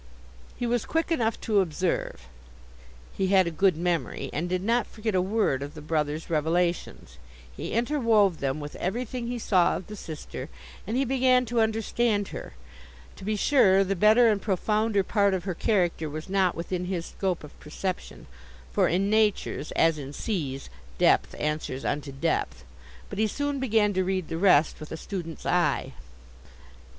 He was quick enough to observe; he had a good memory, and did not forget a word of the brother's revelations. He interwove them with everything he saw of the sister, and he began to understand her. To be sure, the better and profounder part of her character was not within his scope of perception; for in natures, as in seas, depth answers unto depth; but he soon began to read the rest with a student's eye.